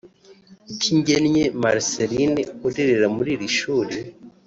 Ikigennye Marcelline urerera muri iri shuri